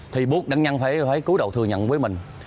thì bố đạn nhân phải cứu đầu thừa nhận với mình